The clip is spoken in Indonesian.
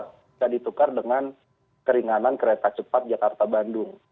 bisa ditukar dengan keringanan kereta cepat jakarta bandung